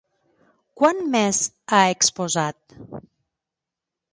Quan més ha exposat?